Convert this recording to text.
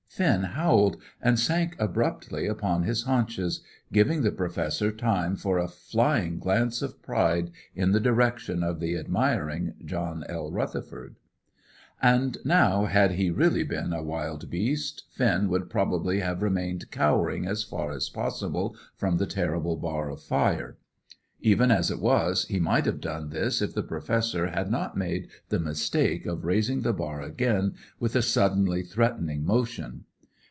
Finn howled, and sank abruptly upon his haunches, giving the Professor time for a flying glance of pride in the direction of the admiring John L. Rutherford. And now, had he been really a wild beast, Finn would probably have remained cowering as far as possible from that terrible bar of fire. Even as it was, he might have done this if the Professor had not made the mistake of raising the bar again, with a suddenly threatening motion.